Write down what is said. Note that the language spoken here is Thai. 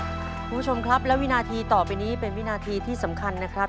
คุณผู้ชมครับและวินาทีต่อไปนี้เป็นวินาทีที่สำคัญนะครับ